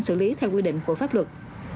xử lý theo quy định của pháp luật